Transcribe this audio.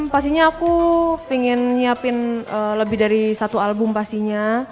pastinya aku pengen nyiapin lebih dari satu album pastinya